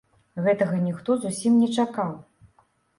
Гэтага ніхто зусім не чакаў.